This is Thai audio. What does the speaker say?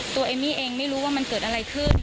เอมมี่เองไม่รู้ว่ามันเกิดอะไรขึ้น